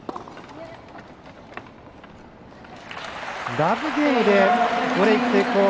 ラブゲームでブレーク成功。